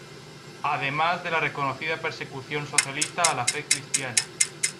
Además de la reconocida persecución socialista a la fe cristiana.